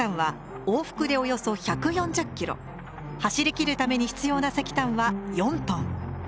走りきるために必要な石炭は４トン。